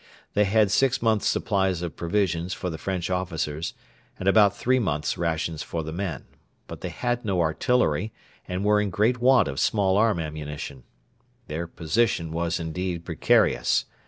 They had six months' supplies of provisions for the French officers, and about three months' rations for the men; but they had no artillery, and were in great want of small arm ammunition. Their position was indeed precarious.